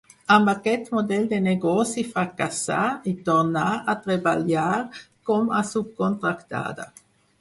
Amb aquest model de negoci fracassà i tornà a treballar com a subcontractada.